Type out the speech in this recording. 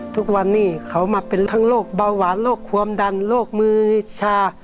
ทุกวันนี้เขามาเป็นทั้งโรคเบาหวานโรคความดันโรคมือชา